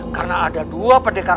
karena ada dua pedekar